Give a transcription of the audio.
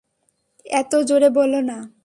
এতো জোরে বলো না।